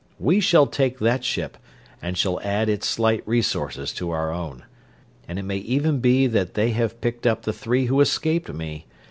We shall take that ship, and shall add its slight resources to our own. And it may even be that they have picked up the three who escaped me....